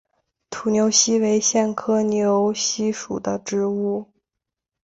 土牛膝为苋科牛膝属的植物。